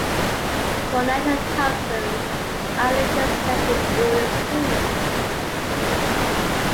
Ponette and her cousins are later sent to boarding school.